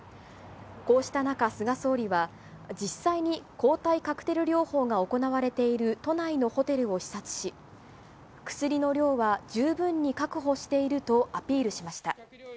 こうした中、菅総理は、実際に抗体カクテル療法が行われている都内のホテルを視察し、薬の量は十分に確保しているとアピールしました。